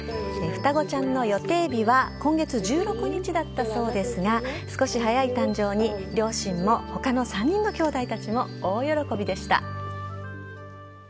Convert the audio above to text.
双子ちゃんの予定日は今月１６日だったそうですが少し早い誕生に両親も他の３人のきょうだいたちも大喜びでした。